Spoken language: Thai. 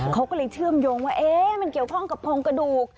เขาก็เลยเชื่อมโยงว่ามันเกี่ยวข้องกับโครงกระดูก